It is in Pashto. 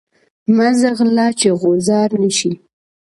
مه ځغله چی غوځار نه شی.